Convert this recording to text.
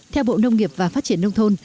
theo bộ nông nghiệp và phát triển nông thôn